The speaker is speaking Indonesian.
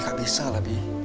ya gak bisa lah bi